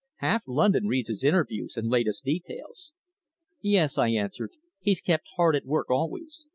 Half London reads his interviews and latest details." "Yes," I answered. "He's kept hard at work always.